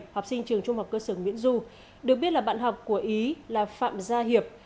học sinh trường trung học cơ sở nguyễn du được biết là bạn học của ý là phạm gia hiệp